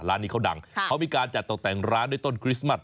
ร้านนี้เขาดังเขามีการจัดตกแต่งร้านด้วยต้นคริสต์มัส